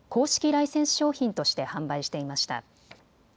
ライセンス商品として販売していました。